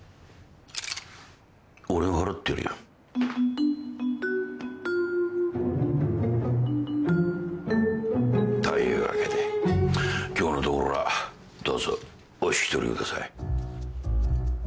俺が払ってやるよ。というわけで今日のところはどうぞお引き取りください。